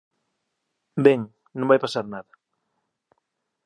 Ven, non vai pasar nada.